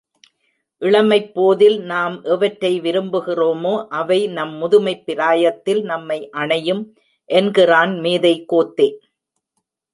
இளமைப் போதில் நாம் எவற்றை விரும்புகிறோமோ, அவை நம் முதுமைப் பிராயத்தில் நம்மை அணையும் என்கிறான் மேதை கோத்தே.